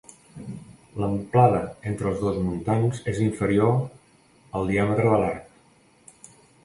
L'amplada entre els dos muntants és inferior al diàmetre de l'arc.